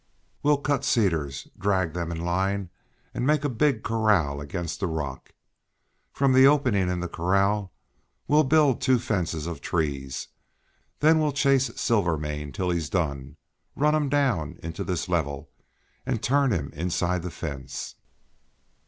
We'll cut cedars, drag them in line, and make a big corral against the rock. From the opening in the corral we'll build two fences of trees; then we'll chase Silvermane till he's done, run him down into this level, and turn him inside the fence.